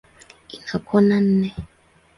Ina kona nne.